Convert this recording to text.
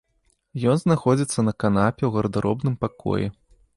Ён знаходзіцца на канапе ў гардэробным пакоі.